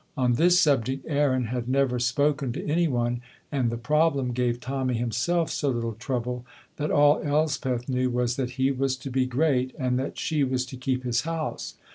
On this subject Aaron had never spoken to anyone, and the problem gave Tommy himself so little trouble that all Elspeth knew was that he was to be great and that she was to keep his house.